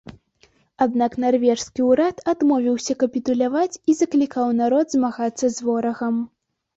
Аднак нарвежскі ўрад адмовіўся капітуляваць і заклікаў народ змагацца з ворагам.